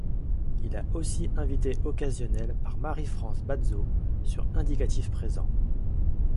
Il a aussi invité occasionnel par Marie-France Bazzo sur Indicatif présent.